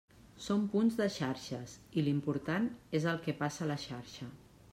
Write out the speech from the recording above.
Són punts de xarxes i l'important és el que passa a la xarxa.